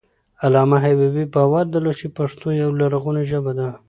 علامه حبيبي باور درلود چې پښتو یوه لرغونې ژبه ده.